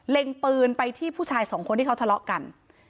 ปืนไปที่ผู้ชายสองคนที่เขาทะเลาะกัน